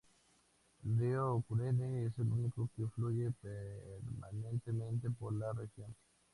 El río Cunene es el único que fluye permanentemente por la región.